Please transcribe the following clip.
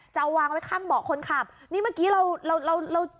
จะเอาวางไว้ข้างเบาะคนขับนี่เมื่อกี้เราเราเรา